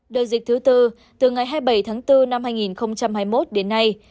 đợt dịch thứ tư từ ngày hai mươi bảy tháng bốn năm hai nghìn hai mươi một đến nay